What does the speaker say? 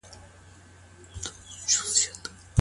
ښوونکي وايي چي بايد د نوښت لپاره مطالعه وکړو.